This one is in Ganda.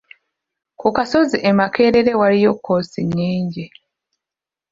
Ku kasozi e Makerere waliyo kkoosi nnyingi.